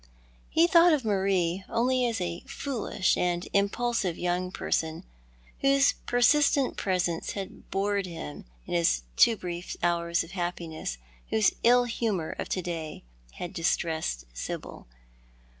pe thought of Marie only as a foolish and impulsive young person, whose persistent presence had bored him in his too brief hours of happiness, whose ill humour of to day had distressed Sibyl.